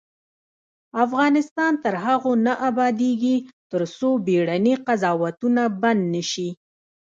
افغانستان تر هغو نه ابادیږي، ترڅو بیړني قضاوتونه بند نشي.